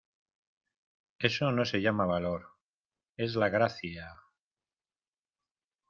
eso no se llama valor: es la Gracia...